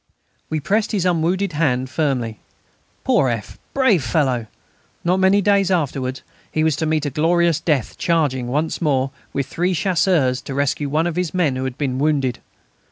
We pressed his unwounded hand warmly. Poor F.! Brave fellow! Not many days afterwards he was to meet a glorious death charging once more, with three Chasseurs, to rescue one of his men who had been wounded.